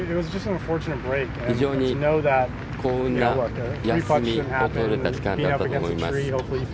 非常に幸運な休みをとれた期間だったと思います。